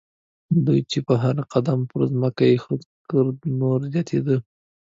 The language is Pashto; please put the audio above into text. دوی چې به هر قدم پر ځمکه اېښود ګرد نور زیاتېده.